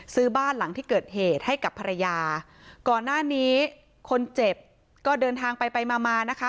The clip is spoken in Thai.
ซื้อบ้านหลังที่เกิดเหตุให้กับภรรยาก่อนหน้านี้คนเจ็บก็เดินทางไปไปมามานะคะ